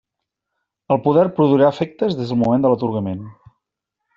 El poder produirà efectes des del moment de l'atorgament.